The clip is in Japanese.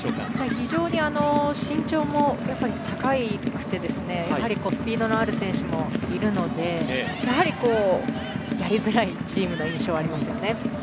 非常に身長も高くてスピードのある選手もいるのでやりづらいチームの印象がありますね。